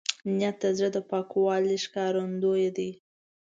نیت د زړه د پاکوالي ښکارندوی دی.